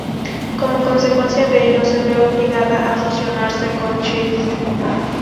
Como consecuencia de ello se ve obligada a fusionarse con Child.